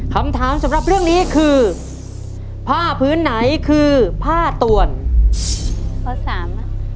คำถามสำหรับเรื่องนี้คือผ้าพื้นไหนคือผ้าต่วนข้อสามนะ